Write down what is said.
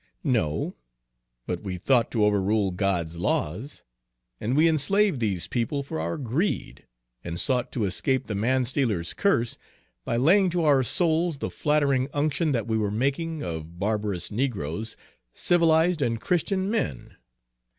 "No; but we thought to overrule God's laws, and we enslaved these people for our greed, and sought to escape the manstealer's curse by laying to our souls the flattering unction that we were making of barbarous negroes civilized and Christian men.